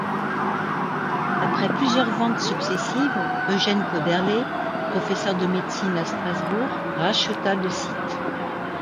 Après plusieurs ventes successives, Eugène Koeberlé, professeur de Médecine à Strasbourg, racheta le site.